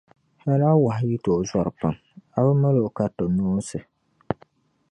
Hal a wɔhu yi tooi zɔri pam, a bi mal’ o kariti noonsi.